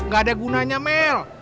gak ada gunanya mel